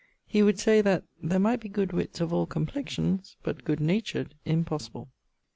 He would say that 'there might be good witts of all complexions; but good natured, impossible.'